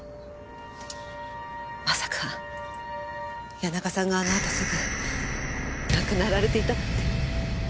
まさか谷中さんがあのあとすぐ亡くなられていたなんて。